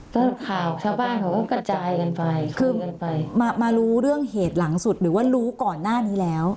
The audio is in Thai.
ก็ข่าวชาวบ้านเขาก็กระจายกันไปคือมามารู้เรื่องเหตุหลังสุดหรือว่ารู้ก่อนหน้านี้แล้ว